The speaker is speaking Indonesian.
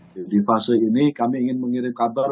jadi fase ini kami ingin mengirim kabar